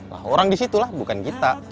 lah orang di situ lah bukan kita